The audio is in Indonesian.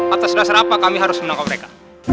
atas dasar apa kami harus menangkap mereka